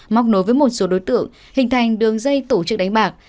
móc nối với một số đối tượng hình thành đường dây tổ chức đánh bạc